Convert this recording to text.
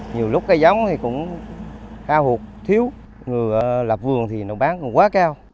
nhiều lúc cây giống thì cũng khao hụt thiếu người lập vườn thì nó bán còn quá cao